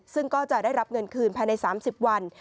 ซึ่งก็จะได้รับเงินคืนภายใน๓๐วัน